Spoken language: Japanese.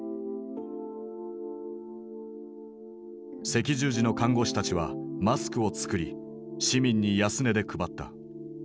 赤十字の看護師たちはマスクを作り市民に安値で配った。